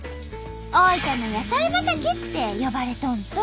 「大分の野菜畑」って呼ばれとんと！